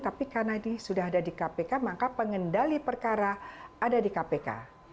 tapi karena sudah ada di kpk maka pengendali perkara ada di kpk